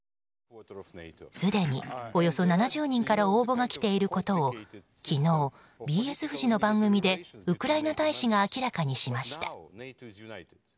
すでに、およそ７０人から応募が来ていることを昨日、ＢＳフジの番組でウクライナ大使が明らかにしました。